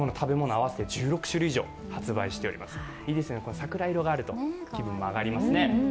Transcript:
桜色があると、気分も上がりますね。